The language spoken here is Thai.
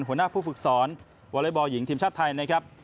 หัวหน้าผู้ฝึกสอนวอเล็กบอลหญิงทีมชาติไทยนะครับ